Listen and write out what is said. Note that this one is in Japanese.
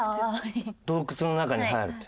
洞窟の中に入るって。